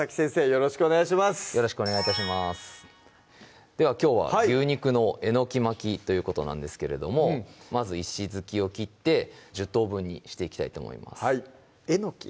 よろしくお願い致しますではきょうは「牛肉のえのき巻き」ということなんですけれどもまず石突きを切って１０等分にしていきたいと思いますはいえのき？